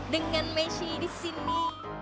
dengan messi disini